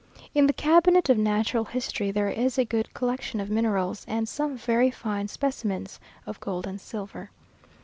In the cabinet of natural history there is a good collection of minerals, and some very fine specimens of gold and silver.